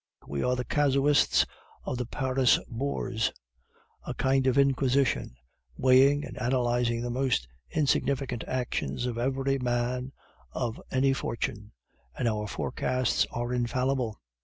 We are the Casuists of the Paris Bourse, a kind of Inquisition weighing and analyzing the most insignificant actions of every man of any fortune, and our forecasts are infallible.